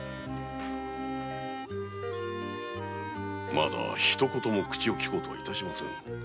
まだ一言も口をきこうと致しませぬ。